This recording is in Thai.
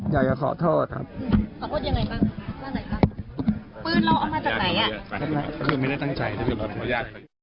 อ๋ออยากจะขอโทษครอบครัวเขาไม่ครับเพราะว่าเขา